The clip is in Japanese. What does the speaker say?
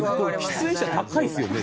喫煙者高いですよね。